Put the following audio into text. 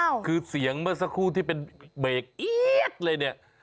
คือเสียงเมื่อสักครู่ที่เป็นเบรกเอี๊ยดเลยเนี่ย